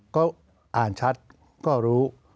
ก็อ่านชัดก็รู้